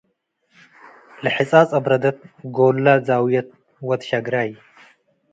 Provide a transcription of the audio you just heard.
ለሕጻጽ አብረደት ጎለ ዛውየት ወድ ሸግራይ